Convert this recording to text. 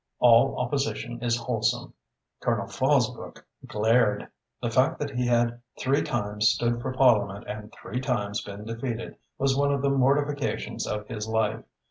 All opposition is wholesome." Colonel Fosbrook glared. The fact that he had three times stood for Parliament and three times been defeated was one of the mortifications of his life.